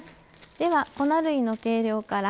では粉類の計量から。